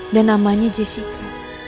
dan namanya jessica